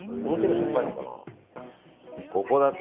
しょっぱいのかな。